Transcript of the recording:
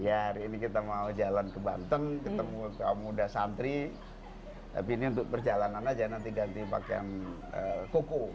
ya hari ini kita mau jalan ke banten ketemu kaum muda santri tapi ini untuk perjalanan aja nanti ganti pakaian kuku